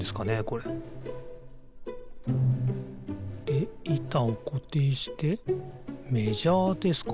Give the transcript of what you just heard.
これいたをこていしてメジャーですかね？